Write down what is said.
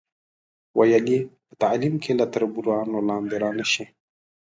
ویل یې په تعلیم کې له تربورانو لاندې را نشئ.